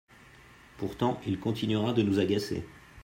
Pourtant il continuera de nous agacer.